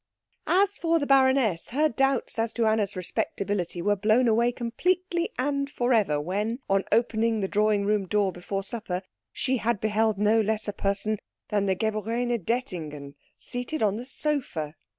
As for the baroness, her doubts as to Anna's respectability were blown away completely and forever when, on opening the drawing room door before supper, she had beheld no less a person than the geborene Dettingen seated on the sofa.